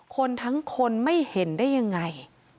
คนทั้งคนไม่เห็นได้ยังไง